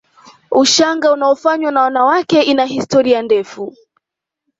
Ushanga unaofanywa na wanawake ina historia ndefu